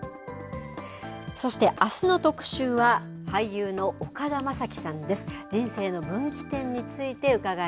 そしてあすの特集は、俳優の岡田将生さんです。